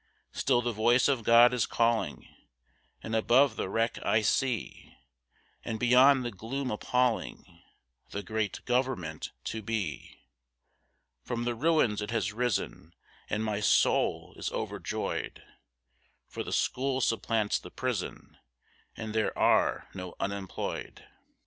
Still the voice of God is calling; and above the wreck I see, And beyond the gloom appalling, the great Government to Be. From the ruins it has risen, and my soul is overjoyed, For the school supplants the prison, and there are no 'unemployed.